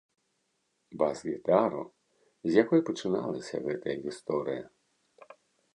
Бас-гітару, з якой пачыналася гэтая гісторыя.